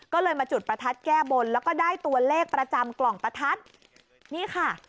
ก็เลยมาจุดประทัดแก้บนแล้วก็ได้ตัวเลขประจำกล่องประทัดนี่ค่ะ